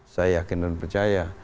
saya yakin dan percaya